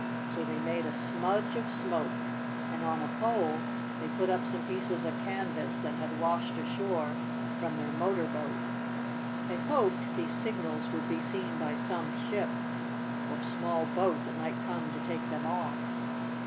So they made a smudge of smoke, and on a pole they put up some pieces of canvas that had washed ashore from their motor boat. They hoped these signals would be seen by some ship or small boat that might come to take them off."